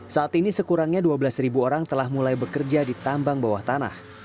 saat ini sekurangnya dua belas orang telah mulai bekerja di tambang bawah tanah